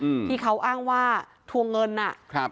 อืมที่เขาอ้างว่าทวงเงินอ่ะครับ